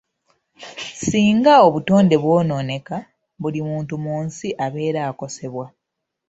Singa obutonde bwonooneka, buli muntu mu nsi abeera akosebwa.